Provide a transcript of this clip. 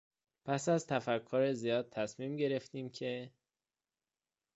پس از تفکر زیاد تصمیم گرفتیم که...